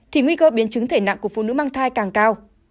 thì nguy cơ biến chứng thể nặng của phụ nữ mang thai càng cao